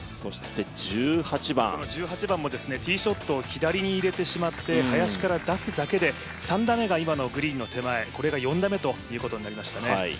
ティーショットを林に入れてしまって林から出すだけで３打目が今のグリーンの手前、これが４打目ということになりましたね。